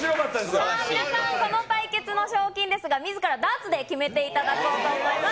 さあ、皆さん、この対決の賞金ですが、みずからダーツで決めていただきたいと思います。